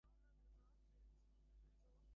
তাই, এটাকেই অনুসরণ করলাম।